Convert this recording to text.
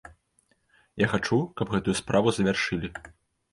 Я хачу, каб гэтую справу завяршылі.